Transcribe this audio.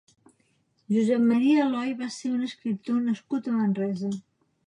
Josep Maria Aloy va ser un escriptor nascut a Manresa.